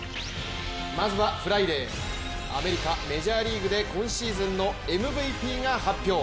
まずはフライデー、アメリカ・メジャーリーグで今シーズンのＭＶＰが発表。